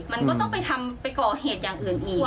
มันก็ต้องไปทำไปก่อเหตุอย่างอื่นอีก